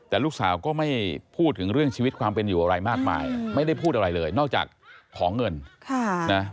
แต่ลูกสาวก็ไม่พูดถึงเรื่องชีวิตความเป็นอยู่อะไรมากมายไม่ได้พูดอะไรเลยนอกจากขอเงิน